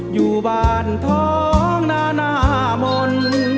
อยู่บ้านท้องนานามนต์